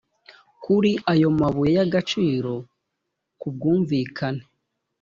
kuri ayo mabuye y’agaciro ku bwumvikane